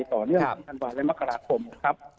ต่อเนื่องจากพฤศจิกาธันวาลในมกราคมครับ